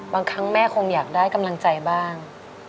บางครั้งแม่คงอยากได้กำลังใจบ้าง